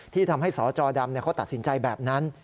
ที่ทำให้สจดำเขาตัดสินใจแบบนั้น